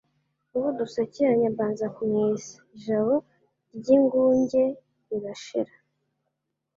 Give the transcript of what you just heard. N'uwo dusakiranye mbanza kumwesa, ijabo ry'ingunge rirashira.